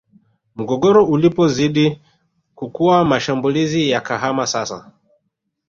Mgogoro ulipozidi kukua mashambulizi yakahama sasa